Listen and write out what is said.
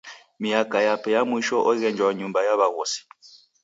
Miaka yape ya mwisho oghenjwa nyumba ya w'aghosi.